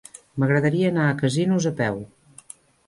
M'agradaria anar a Casinos a peu.